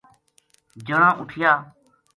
جنا اُٹھیا